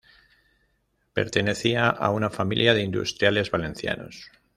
Pertenecía a una familia de industriales valencianos.